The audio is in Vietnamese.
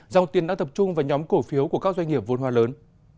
dòng tiền đã tập trung vào nhóm cổ phiếu của các doanh nghiệp vốn hoa lớn